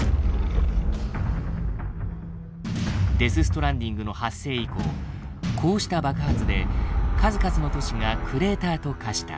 デス・ストランディングの発生以降こうした爆発で数々の都市がクレーターと化した。